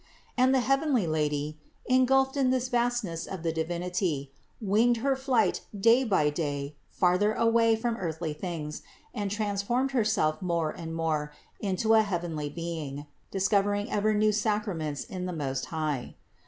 And the heavenly Lady, engulfed in this vastness of the Divinity, winged her flight day by day farther away from earthly things, and transformed Herself more and more into a heavenly being, discovering ever new sacraments in the Most High.